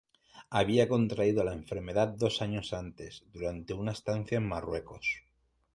Había contraído la enfermedad dos años antes, durante una estancia en Marruecos.